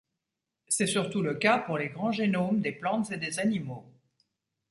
C'est surtout le cas pour les grands génomes des plantes et des animaux.